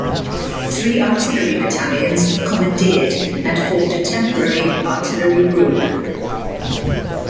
Three artillery battalions were commandeered and formed a temporary artillery group.